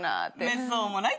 めっそうもない。